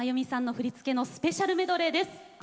振り付けのスペシャルメドレーです。